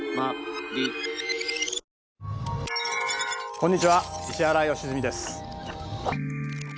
こんにちは石原良純です。